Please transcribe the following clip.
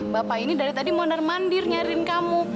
bapak ini dari tadi mondar mandir nyariin kamu